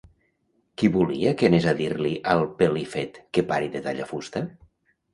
Qui volia que anés a dir-li al Pelifet que pari de tallar fusta?